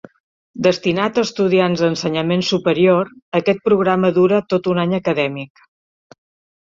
Destinat a estudiants d"ensenyament superior, aquest programa dura tot un any acadèmic.